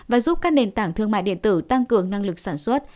và giúp các nền tảng thương mại điện tử tăng cường năng lực sản xuất